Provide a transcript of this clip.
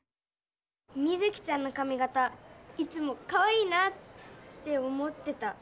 ミズキちゃんのかみ形いつもかわいいなって思ってた。